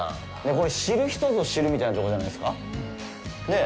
これ知る人と知るみたいなところじゃないですか。